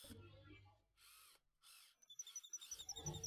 马尔热里德地区圣但尼人口变化图示